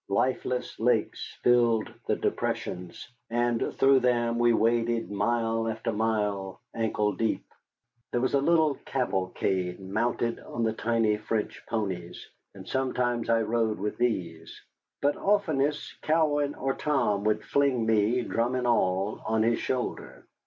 Lifeless lakes filled the depressions, and through them we waded mile after mile ankle deep. There was a little cavalcade mounted on the tiny French ponies, and sometimes I rode with these; but oftenest Cowan or Tom would fling me, drum and all, on his shoulder.